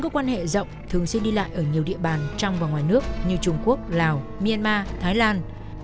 bân chuyên án đã huy động nhiều lực lượng thường xuyên đi lại ở nhiều địa bàn trong và ngoài nước như trung quốc lào myanmar thái lan